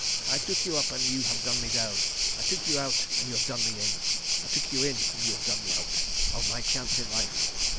I took you up and you have done me down. I took you out and you have done me in. I took you in and you have done me out—of my chance in life.